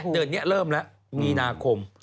เดือนนี้เริ่มแล้วมีนาคม